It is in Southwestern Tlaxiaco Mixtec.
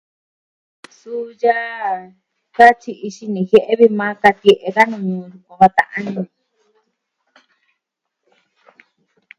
Suu, yaa katyi'i xini jie'e va vi maa katie'e dani, yukuan va ta'an ini ni.